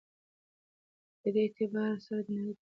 او په دي اعتبار سره دنړۍ تر ټولو لوى قوت او قدرت دى